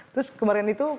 terus kemarin itu